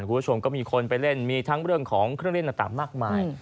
คุณผู้ชมก็มีคนไปเล่นมีทั้งเรื่องของเครื่องเล่นต่างมากมาย